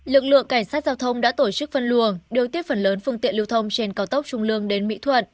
lực lượng cảnh sát giao thông đã tổ chức phân luồng đưa tiếp phần lớn phương tiện lưu thông trên cao tốc trung lương đến mỹ thuật